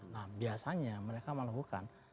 nah biasanya mereka melakukan